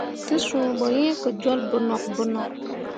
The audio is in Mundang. Te suu ɓo yi ke jol bonok bonok.